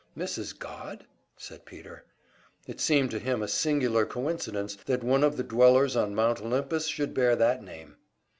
"Mrs. Godd?" said Peter. It seemed to him a singular coincidence that one of the dwellers on Mount Olympus should bear that name.